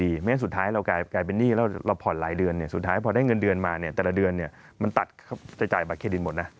เพราะฉะนั้นสุดท้ายเรากลายเป็นหนี้แล้วเราผ่อนหลายเดือนสุดท้ายพอได้เงินเดือนมาเนี่ยแต่ละเดือนมันตัดจะจ่ายบัตเครดิตหมดนะ